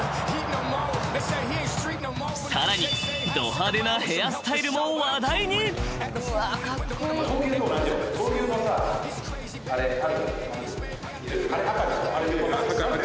［さらにど派手なヘアスタイルも話題に］アタックして。